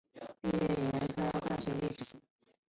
毕业于南开大学历史系。